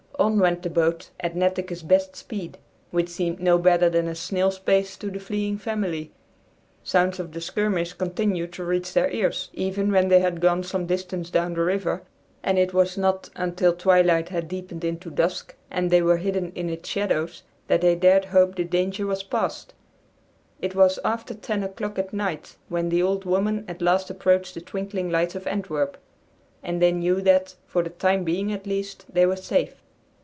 On went the boat at Netteke's best speed, which seemed no better than a snail's pace to the fleeing family. Sounds of the skirmish continued to reach their ears, even when they had gone some distance down the river, and it was not until twilight had deepened into dusk, and they were hidden in its shadows, that they dared hope the danger was passed. It was after ten o'clock at night when the "Old Woman" at last approached the twinkling lights of Antwerp, and they knew that, for the time being at least, they were safe.